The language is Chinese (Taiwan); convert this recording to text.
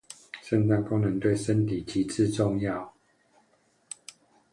腎臟功能對身體至關重要